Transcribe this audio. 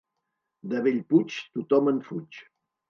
De Bellpuig, tothom en fuig.